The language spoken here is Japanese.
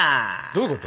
どういうこと？